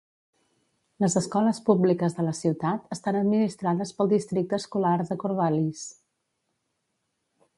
Les escoles públiques de la ciutat estan administrades pel districte escolar de Corvallis.